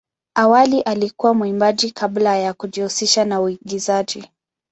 Awali alikuwa mwimbaji kabla ya kujihusisha na uigizaji.